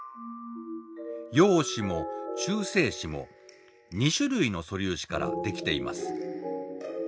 陽子も中性子も２種類の素粒子から出来ています。